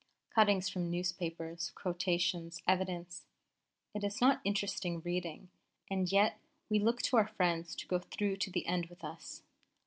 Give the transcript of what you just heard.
_ Cuttings from newspapers, quotations, evidence it is not interesting reading, and yet we look to our friends to go through to the end with us.